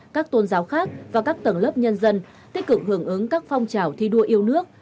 các tôn giáo khác và các tầng lớp nhân dân tích cực hưởng ứng các phong trào thi đua yêu nước